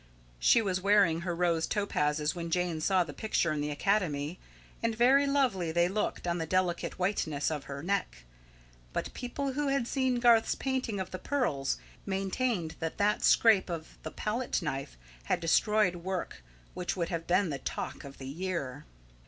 She was wearing her rose topazes when Jane saw the picture in the Academy, and very lovely they looked on the delicate whiteness of her neck. But people who had seen Garth's painting of the pearls maintained that that scrape of the palette knife had destroyed work which would have been the talk of the year.